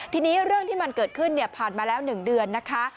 ทีนี้เรื่องที่มันเกิดขึ้นผ่านมาแล้ว๑เดือนนะคะ